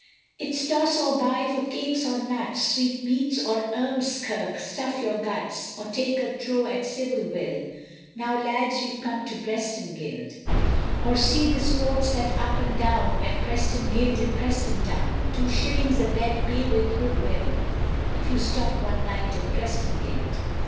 Its toss or buy for cakes or nuts, Sweet meats or ORMSKIRK, stuff your guts, Or take a trow at civil will, Now lads you've come to Preston Guild, Or see the sports that's up and down, At Preston Guild in Preston town, Two shillings a bed pay with good will, If you stop one night at Preston Guild.